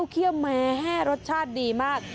เคี่ยวแม้รสชาติดีมาก